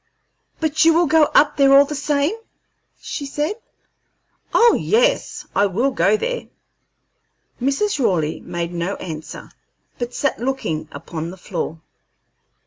"But you will go up there all the same?" she said. "Oh yes, I will go there." Mrs. Raleigh made no answer, but sat looking upon the floor.